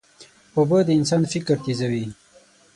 اوبه د انسان فکر تیزوي.